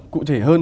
cụ thể hơn